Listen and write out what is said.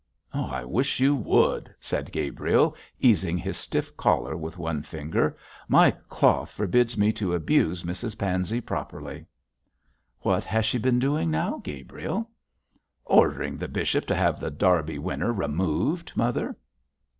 'I wish you would,' said Gabriel, easing his stiff collar with one finger; 'my cloth forbids me to abuse Mrs Pansey properly.' 'What has she been doing now, Gabriel?' 'Ordering the bishop to have The Derby Winner removed, mother.'